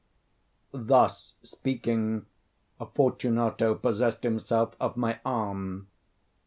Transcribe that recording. Thus speaking, Fortunato possessed himself of my arm.